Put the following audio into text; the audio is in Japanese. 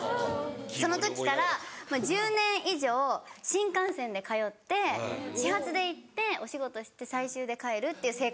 その時から１０年以上新幹線で通って始発で行ってお仕事して最終で帰るっていう生活を。